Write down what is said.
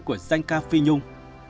của phi nhung